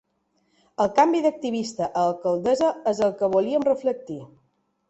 El canvi d’activista a alcaldessa és el que volíem reflectir.